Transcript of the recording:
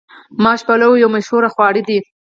ماش پلو یو مشهور خواړه دي.